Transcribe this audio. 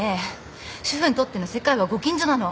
主婦にとっての世界はご近所なの。